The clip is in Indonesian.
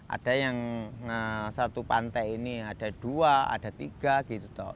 ada yang satu pantai ini ada dua ada tiga gitu